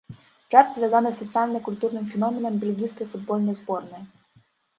Жарт звязаны з сацыяльна-культурным феноменам бельгійскай футбольнай зборнай.